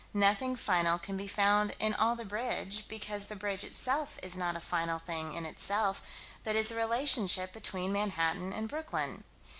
Nothing final can be found in all the bridge, because the bridge itself is not a final thing in itself, but is a relationship between Manhattan and Brooklyn.